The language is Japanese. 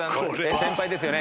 先輩ですよね？